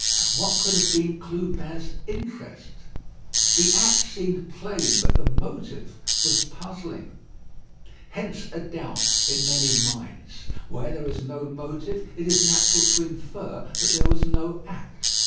What could have been Clubin's interest? The act seemed plain, but the motive was puzzling. Hence a doubt in many minds. Where there is no motive, it is natural to infer that there was no act.